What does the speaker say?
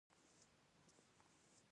ژبه د افهام او تفهیم یوه وسیله ده.